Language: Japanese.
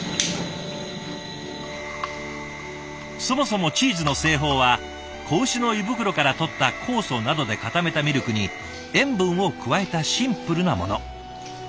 そもそもチーズの製法は子牛の胃袋からとった酵素などで固めたミルクに塩分を加えたシンプルなもの。